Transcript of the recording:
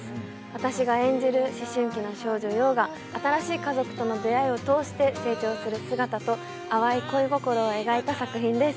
私が演じる思春期の少女陽が新しい家族との出会いを通して成長する姿と淡い恋心を描いた作品です